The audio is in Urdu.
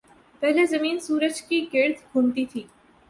پہلے زمین سورج کے گرد گھومتی تھی۔